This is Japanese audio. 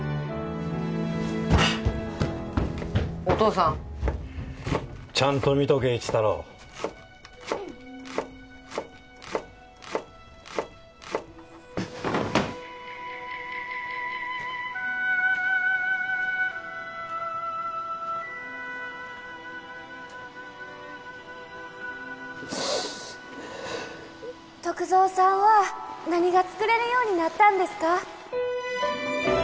お父さんちゃんと見とけ一太郎篤蔵さんは何が作れるようになったんですか？